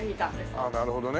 ああなるほどね。